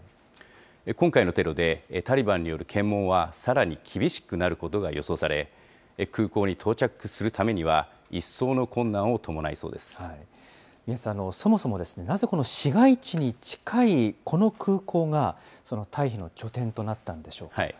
今回のテロで、タリバンによる検問は、さらに厳しくなることが予想され、空港に到着するためには、宮内さん、そもそも、なぜこの市街地に近いこの空港が、退避の拠点となったんでしょうか。